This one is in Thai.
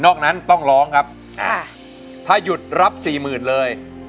นอกนั้นต้องร้องครับถ้าหยุดรับ๔๐๐๐๐เลย